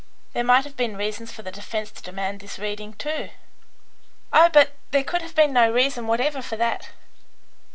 There might have been reasons for the defence to demand this reading, too." "Oh, but there could have been no reason whatever for that."